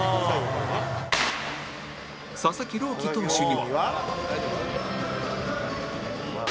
佐々木朗希投手には